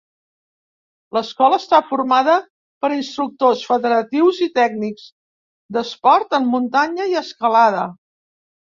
L’Escola està formada per instructors federatius i tècnics d’esport en muntanya i escalada.